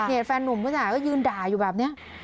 ในเมื่อเห็นแฟนนุมหนึ่งก็ยืนด่าอยู่แบบนี้